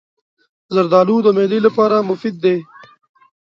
زردالو د معدې لپاره مفید دی.